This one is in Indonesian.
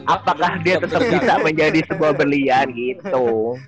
apakah dia tetap bisa menjadi sebuah berlian gitu